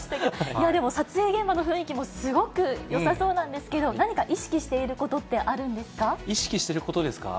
いや、でも、撮影現場の雰囲気もすごくよさそうなんですけど、何か意識してい意識してることですか？